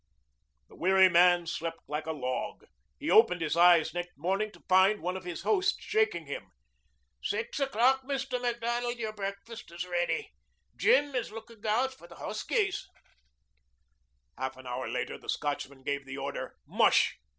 The weary man slept like a log. He opened his eyes next morning to find one of his hosts shaking him. "Six o'clock, Mr. Macdonald. Your breakfast is ready. Jim is looking out for the huskies." Half an hour later the Scotchman gave the order, "Mush!"